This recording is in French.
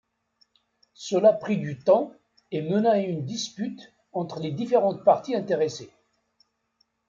Cela prit du temps et mena à une dispute entre les différentes parties intéressées.